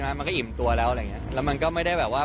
มันก็อิ่มตัวแล้วอะไรอย่างเงี้ยแล้วมันก็ไม่ได้แบบว่า